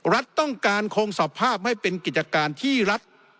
รัฐต้องการคงสภาพให้เป็นกิจการที่รัฐ